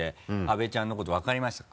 阿部ちゃんのこと分かりました？